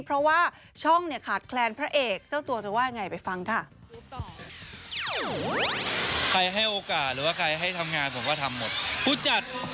เพราะว่าช่องเนี่ยขาดแคลนพระเอกเจ้าตัวจะว่าไงไปฟังค่ะ